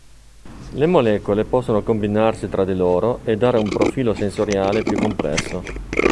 Le molecole possono combinarsi tra di loro e dare un profilo sensoriale più complesso.